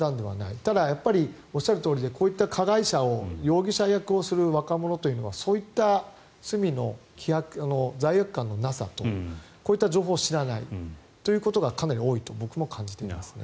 ただ、おっしゃるとおりでこういった加害者を容疑者役をする若者というのはそういった、罪悪感のなさとこういった情報を知らないということがかなり多いと僕も感じています。